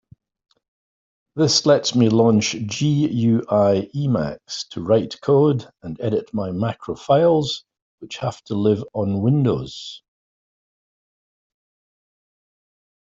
This lets me launch GUI Emacs to write code and edit my macro files which have to live on Windows.